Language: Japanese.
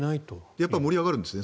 やっぱり盛り上がるんですね。